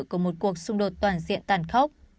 của một cuộc xung đột toàn diện tàn khốc